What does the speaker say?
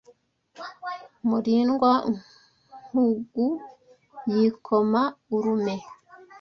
Murindwa-nkugu yikoma urume